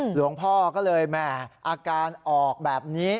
หลวงพ่อก็เลยแหม่อาการออกแบบนี้